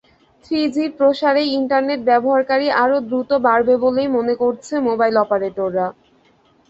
থ্রিজির প্রসারে ইন্টারনেট ব্যবহারকারী আরও দ্রুত বাড়বে বলেই মনে করছে মোবাইল অপারেটররা।